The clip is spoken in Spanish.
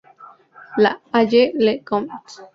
La Haye-le-Comte